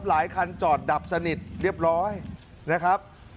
หลายคันจอดดับสนิทเรียบร้อยนะครับ